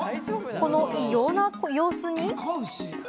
このような様子に。